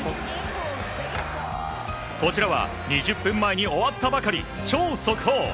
こちらは２０分前に終わったばかり超速報。